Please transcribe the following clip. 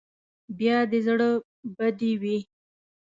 بیا دې زړه بدې وي.